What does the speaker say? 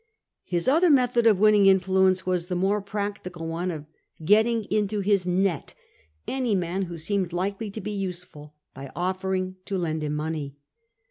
His other method of winning influence was the more practical one of getting into his net any man who seemed likely to be useful, by offering to lend him money.